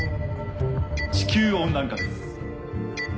地球温暖化です。